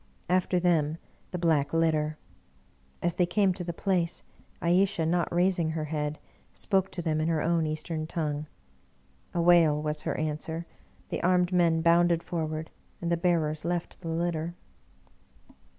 After them, the Black Litter. As they came to the place, Ayesha, not raising her head, spoke to them in her own Eastern tongue. A wail was her answer. The armed men bounded forward, and the bearers left the litter.